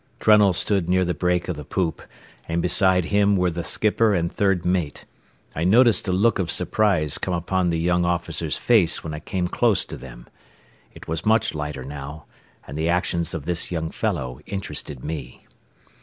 Trunnell stood near the break of the poop, and beside him were the skipper and third mate. I noticed a look of surprise come upon the young officer's face when I came close to them. It was much lighter now, and the actions of this young fellow interested me.